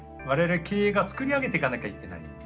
我々経営が作り上げていかなきゃいけない。